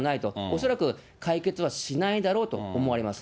恐らく、解決はしないだろうと思われます。